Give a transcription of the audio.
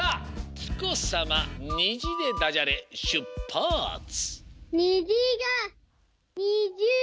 きこさま「にじ」でダジャレしゅっぱつ！